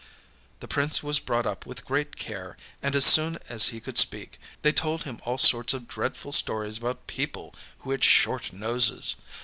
The Prince was brought up with great care; and, as soon as he could speak, they told him all sorts of dreadful stories about people who had short noses.